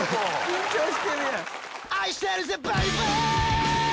緊張してるやん。